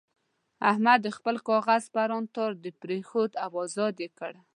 احمد د خپل کاغذ پران تار پرېښود او ازاد یې کړ.